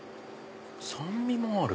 酸味もある。